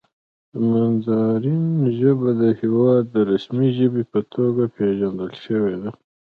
د ماندارین ژبه د هېواد د رسمي ژبې په توګه پېژندل شوې ده.